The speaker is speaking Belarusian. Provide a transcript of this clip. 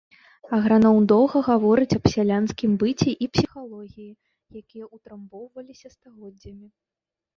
Аграном доўга гаворыць аб сялянскім быце і псіхалогіі, якія ўтрамбоўваліся стагоддзямі.